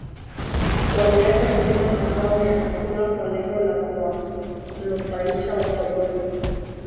Waliacha kulima mazao ya chakula kwa lengo la kuwanufaisha wakoloni